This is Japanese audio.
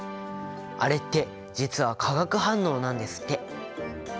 あれって実は化学反応なんですって。